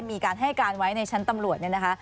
มีการให้การไว้ในชั้นตำรวจเนี่ยนะคะ